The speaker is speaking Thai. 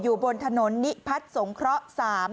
อยู่บนถนนนิพัฒน์สงเคราะห์๓